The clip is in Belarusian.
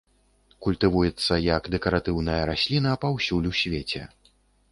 Культывуецца як дэкаратыўная расліна паўсюль у свеце.